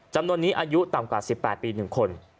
จำนวนนี้อายุต่ำกว่า๑๘ปี๑คน